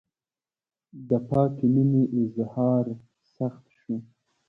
د پاکې مینې اظهار سخت شو.